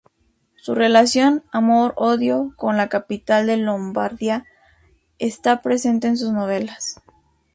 Su relación "amor-odio" con la capital de Lombardía está presente en sus novelas.